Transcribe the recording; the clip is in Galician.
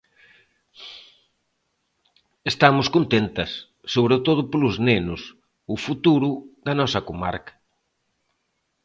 Estamos contentas, sobre todo polos nenos, o futuro da nosa comarca.